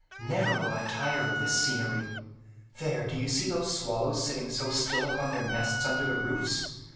"Never will I tire of this scenery. There; do you see those swallows sitting so still upon their nests under the roofs?